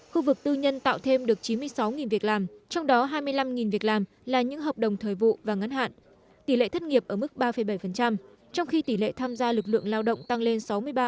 khu vực tư nhân tạo thêm được chín mươi sáu việc làm trong đó hai mươi năm việc làm là những hợp đồng thời vụ và ngắn hạn tỷ lệ thất nghiệp ở mức ba bảy trong khi tỷ lệ tham gia lực lượng lao động tăng lên sáu mươi ba bốn